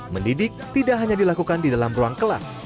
mendidik tidak hanya dilakukan di dalam ruang kelas